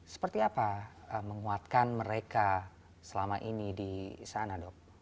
seperti apa menguatkan mereka selama ini di sana dok